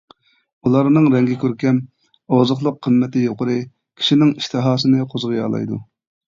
ئۇلارنىڭ رەڭگى كۆركەم، ئوزۇقلۇق قىممىتى يۇقىرى، كىشىنىڭ ئىشتىھاسىنى قوزغىيالايدۇ.